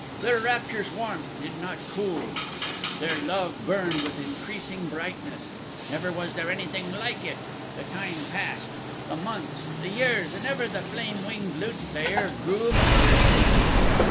Their rapture's warmth did not cool. Their love burned with increasing brightness. Never was there anything like it. The time passed, the months, the years, and ever the flame winged lute player grew more resplendent.